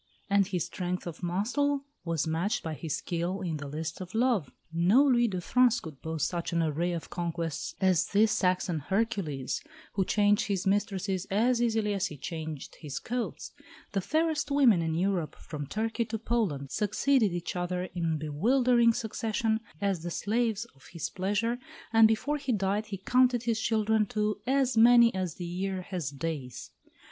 And his strength of muscle was matched by his skill in the lists of love. No Louis of France could boast such an array of conquests as this Saxon Hercules, who changed his mistresses as easily as he changed his coats; the fairest women in Europe, from Turkey to Poland, succeeded each other in bewildering succession as the slaves of his pleasure, and before he died he counted his children to as many as the year has days.